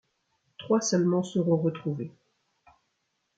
Trois seulement seront retrouvés.